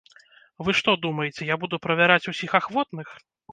Вы што думаеце, я буду правяраць усіх ахвотных?